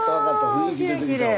雰囲気出てきたわ。